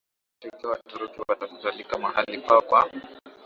zako zote Ikiwa Waturuki watakualika mahali pao kwa